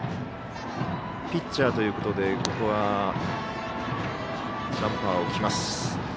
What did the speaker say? ピッチャーということでジャンパーを着ます。